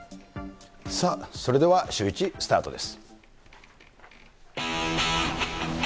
それではシューイチスタートです。